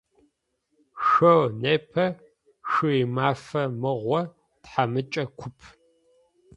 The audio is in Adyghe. Шъо непэ шъуимафэ мыгъо, тхьамыкӏэ куп!